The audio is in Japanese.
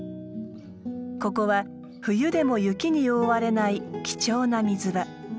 ここは冬でも雪に覆われない貴重な水場。